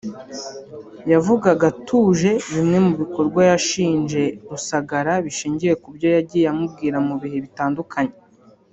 yavugaga atuje bimwe mu bikorwa yashinje Rusagara bishingiye ku byo yagiye amubwira mu bihe bitandukanye